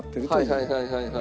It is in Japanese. はいはいはいはい。